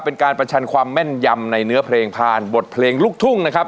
เป็นการประชันความแม่นยำในเนื้อเพลงผ่านบทเพลงลูกทุ่งนะครับ